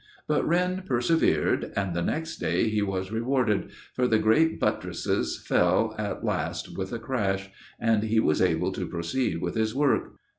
But Wren persevered, and the next day he was rewarded, for the great buttresses fell at last with a crash, and he was able to proceed with his work.